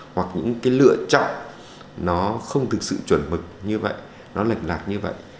hoặc những cái lựa chọn nó không thực sự chuẩn mực như vậy nó lệch lạc như vậy